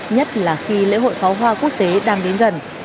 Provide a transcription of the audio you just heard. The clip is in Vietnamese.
nhất là khi lễ hội pháo hoa quốc tế đang đến gần